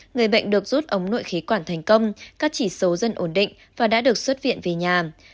người bệnh được rút ống nội khí quản thành công các chỉ số dân ổn định và đã được xuất viện về nhà